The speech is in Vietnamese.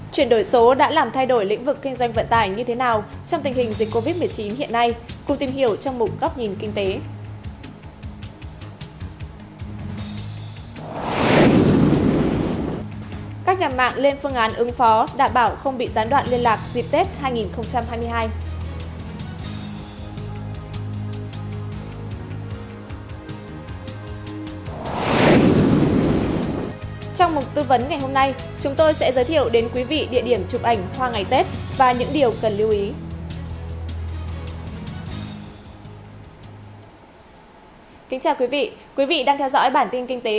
chuyển đổi số đã làm thay đổi lĩnh vực kinh doanh vận tài như thế nào trong tình hình dịch covid một mươi chín hiện nay cùng tìm hiểu trong mục góc nhìn kinh tế